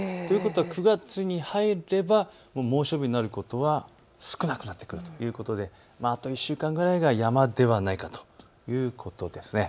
９月に入れば猛暑日になるところは少なくなってくるということであと１週間ぐらいが山ではないかということです。